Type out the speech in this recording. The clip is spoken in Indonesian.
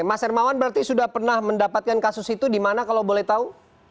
mas hermawan berarti sudah pernah mendapatkan kasus itu di mana kalau boleh tahu